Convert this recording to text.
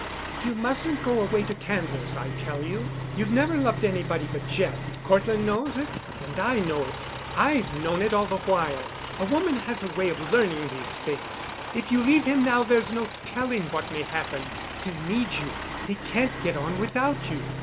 "You mustn't go away to Kansas, I tell you. You've never loved anybody but Jeff. Cortland knows it, and I know it. I've known it all the while. A woman has a way of learning these things. If you leave him now there's no telling what may happen. He needs you. He can't get on without you.